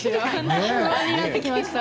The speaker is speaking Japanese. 不安になってきました。